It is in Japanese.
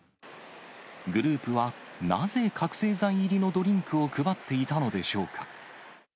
グループはなぜ覚醒剤入りのドリンクを配っていたのでしょうか。